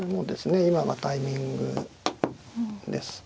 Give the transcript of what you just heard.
今がタイミングですね。